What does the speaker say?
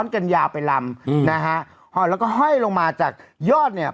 กันยาวไปลำอืมนะฮะแล้วก็ห้อยลงมาจากยอดเนี่ย